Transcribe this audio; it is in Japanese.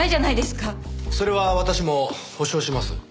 それは私も保証します。